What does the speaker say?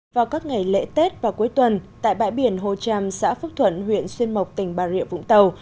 vào các ngày lễ tết và cuối tuần tại bãi biển hồ tràm xã phước thuận huyện xuyên mộc tỉnh bà rịa vũng tàu